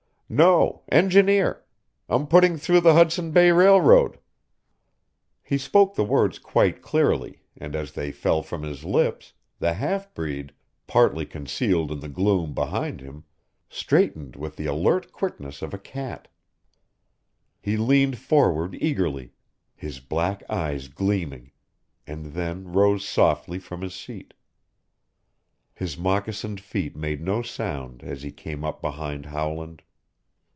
"No; engineer. I'm putting through the Hudson Bay Railroad." He spoke the words quite clearly and as they fell from his lips the half breed, partly concealed in the gloom behind him, straightened with the alert quickness of a cat. He leaned forward eagerly, his black eyes gleaming, and then rose softly from his seat. His moccasined feet made no sound as he came up behind Howland.